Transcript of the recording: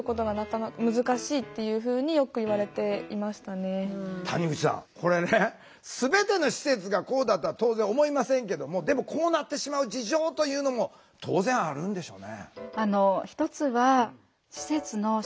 結局は集団生活になるので谷口さんこれね全ての施設がこうだとは当然思いませんけどもでもこうなってしまう事情というのも当然あるんでしょうね。